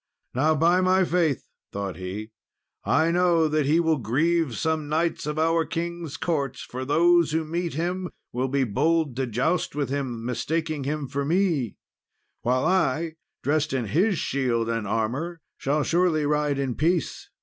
"Now, by my faith," thought he, "I know that he will grieve some knights of our king's court; for those who meet him will be bold to joust with him, mistaking him for me, while I, dressed in his shield and armour, shall surely ride in peace."